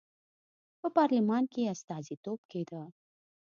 په پارلمان کې یې استازیتوب کېده.